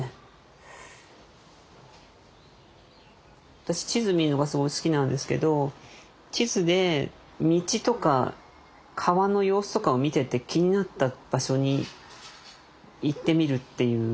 私地図見るのがすごい好きなんですけど地図で道とか川の様子とかを見てて気になった場所に行ってみるっていう。